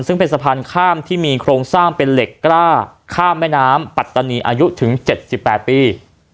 ซึ่งเป็นสะพานข้ามที่มีโครงสร้างเป็นเหล็กกล้าข้ามแม่น้ำปัตตานีอายุถึง๗๘ปี